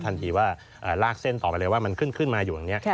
ทันทีว่าลากเส้นต่อไปเลยว่ามันขึ้นมาอยู่ตรงนี้